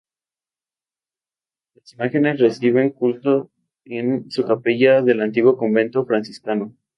Las imágenes reciben culto en su capilla del antiguo convento franciscano.